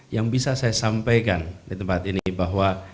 yang bisa saya sampaikan di tempat ini bahwa